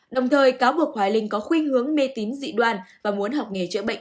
đồng thời cáo buộc hoài linh có khuyên hướng mê tín dị đoan và muốn học nghề chữa bệnh